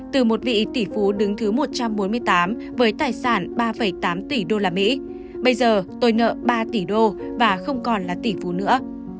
từ một vị tỷ phú đứng thứ một trăm bốn mươi tám với tài sản ba tám tỷ usd bây giờ tôi nợ ba tỷ đô và không còn là tỷ phú nữa